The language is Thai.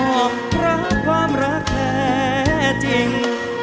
บอกรักความรักแท้จริง